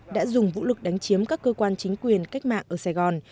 đã dùng vũ lực đánh chiếm các cơ quan chính quyền cách mạng ở sài gòn